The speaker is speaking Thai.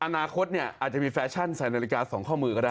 อนาคตอาจจะมีแฟชั่นใส่นาฬิกา๒ข้อมือก็ได้